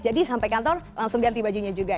jadi sampai kantor langsung ganti bajunya juga ya